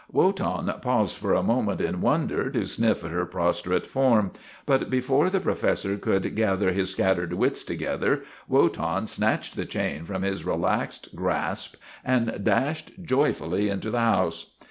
Wotan paused for a moment in wonder to sniff at her prostrate form, but before the professor could gather his scattered wits together, Wotan snatched the chain from his relaxed grasp, and dashed joyfully into the house.